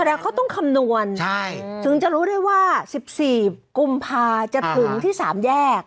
แสดงว่าเขาต้องคำนวณใช่ถึงจะรู้ได้ว่าสิบสี่กุมภาคมจะถึงที่สามแยก